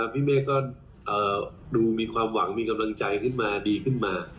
พี่เมฆก็ดูมีความหวังมีกำลังใจขึ้นมาดีขึ้นมา